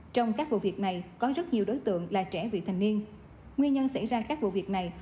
trong các vụ việc này có rất nhiều đối tượng là trẻ vị thành niên nguyên nhân xảy ra các vụ việc này